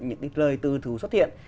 những cái lời từ thú xuất hiện